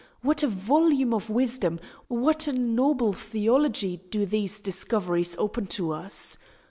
What a volume of wisdom, what a noble theology do these discoveries open to us!